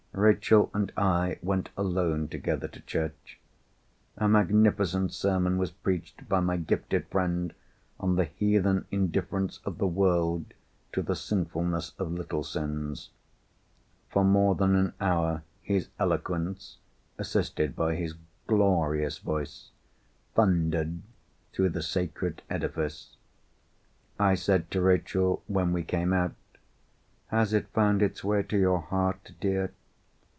Rachel and I went alone together to church. A magnificent sermon was preached by my gifted friend on the heathen indifference of the world to the sinfulness of little sins. For more than an hour his eloquence (assisted by his glorious voice) thundered through the sacred edifice. I said to Rachel, when we came out, "Has it found its way to your heart, dear?"